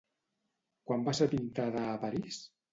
Quan va ser pintada a París?